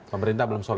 pemerintah belum solid